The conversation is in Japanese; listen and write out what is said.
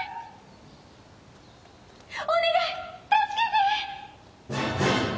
お願い助けて！